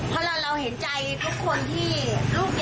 เพราะเราเห็นใจทุกคนที่ลูก